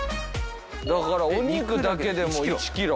だからお肉だけでも１ｋｇ。